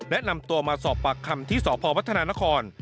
และนำตัวมาสอบปากคำที่สพวัฒนานคร